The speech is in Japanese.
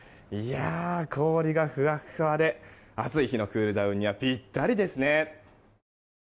氷がふわふわで暑い日のクールダウンにはピッタリですね。